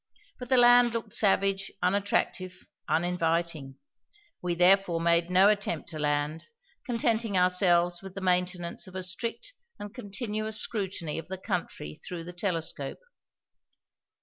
But the land looked savage, unattractive, uninviting. We therefore made no attempt to land, contenting ourselves with the maintenance of a strict and continuous scrutiny of the country through the telescope.